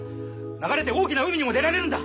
流れて大きな海にも出られるんだ！